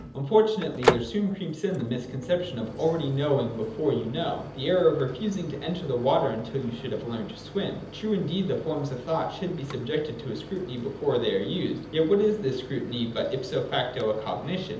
Unfortunately there soon creeps in the misconception of already knowing before you know, — the error of refusing to enter the water until you have learnt to swim. True, indeed, the forms of thought should be subjected to a scrutiny before they are used : yet what is this scrutiny but ipso facto a cognition